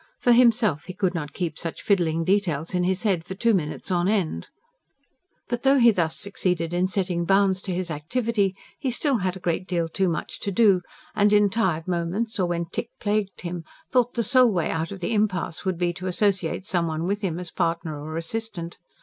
For himself he could not keep such fiddling details in his head for two minutes on end. But though he thus succeeded in setting bounds to his activity, he still had a great deal too much to do; and, in tired moments, or when tic plagued him, thought the sole way out of the impasse would be to associate some one with him as partner or assistant.